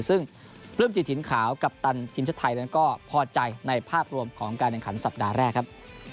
ซึ่งปลื้มจิตถิ่นขาวกัปตันทีมชาติไทยนั้นก็พอใจในภาพรวมของการแข่งขันสัปดาห์แรกครับ